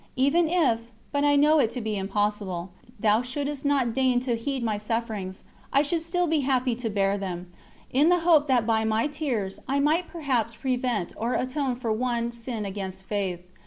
Even if but I know it to be impossible Thou shouldst not deign to heed my sufferings, I should still be happy to bear them, in the hope that by my tears I might perhaps prevent or atone for one sin against Faith.